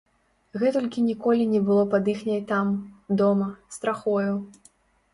Гэтулькі ніколі не было пад іхняй там, дома, страхою.